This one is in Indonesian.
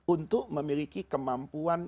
untuk memiliki kemampuan